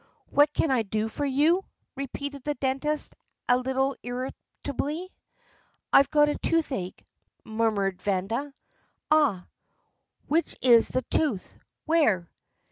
"What can I do for you?" repeated the dentist a little irritably. "I've got toothache," murmured Vanda. "Aha! ... Which is the tooth? Where?"